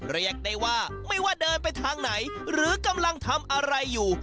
เรียกได้ว่าไม่ว่าเดินไปทางไหนหรือกำลังทำอะไรอยู่